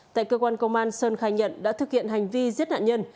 tại cơ quan công an sơn khai nhận đã thực hiện hành vi giết nạn nhân